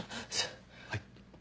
はい。